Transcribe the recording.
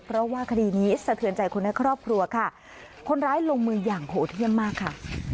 เพราะว่าคดีนี้สะเทือนใจคนในครอบครัวค่ะคนร้ายลงมืออย่างโหดเยี่ยมมากค่ะ